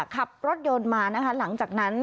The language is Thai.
ขับรถยนต์มานะคะหลังจากนั้น